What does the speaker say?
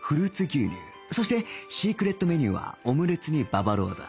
そしてシークレットメニューはオムレツにババロアだ